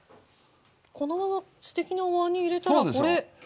このまますてきなおわんに入れたらこれもしかして。